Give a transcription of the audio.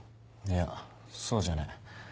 いやそうじゃねえ。